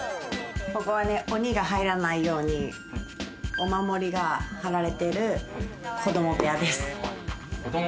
ここは鬼が入らないようにお守りが貼られている子ども部屋です。